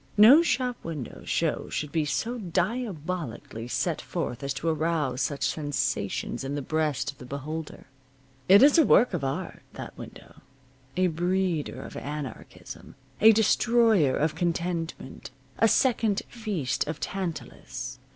No shop window show should be so diabolically set forth as to arouse such sensations in the breast of the beholder. It is a work of art, that window; a breeder of anarchism, a destroyer of contentment, a second feast of Tantalus.